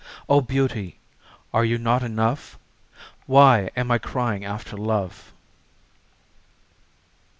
O beauty, are you not enough? Why am I crying after love?